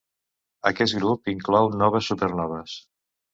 Aquest grup inclou noves i supernoves.